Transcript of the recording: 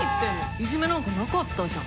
いじめなんかなかったじゃん。